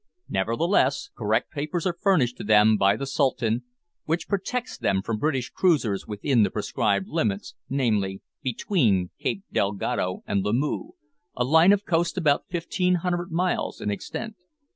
Nevertheless, correct papers are furnished to them by the Sultan, which protects them from British cruisers within the prescribed limits, namely, between Cape Dalgado and Lamoo, a line of coast about 1500 miles in extent.